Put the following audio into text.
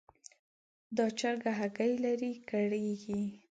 دا چرګه هګۍ لري؛ کړېږي.